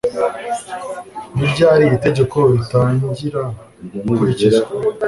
ni ryari itegeko ritangiragukurikizwa